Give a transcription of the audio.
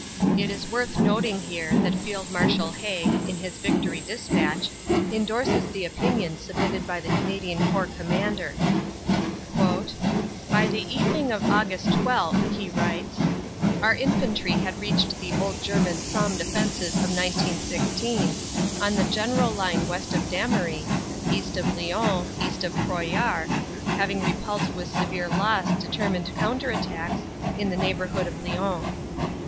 It is worth noting here that Field Marshal Haig in his "Victory Dispatch" endorses the opinion submitted by the Canadian Corps Commander. "By the evening of Aug. 12," he writes, "our infantry had reached the old Ger man Somme defenses of 1916, on the general line west of Damery, east of Lihons, east of Proyart, having repulsed with severe loss determined counter attacks in the neighborhood CANADA S HUNDRED DAYS of Lihons.